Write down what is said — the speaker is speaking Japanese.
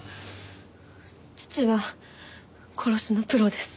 父は殺しのプロです。